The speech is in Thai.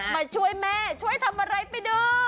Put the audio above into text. มาช่วยแม่ช่วยทำอะไรไปดู